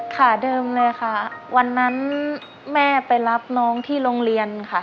ขาเดิมเลยค่ะวันนั้นแม่ไปรับน้องที่โรงเรียนค่ะ